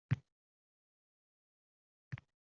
Ana, baliq — silkir dumini.